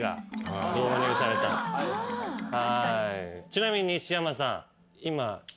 ちなみに西山さん。